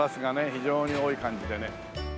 非常に多い感じでね。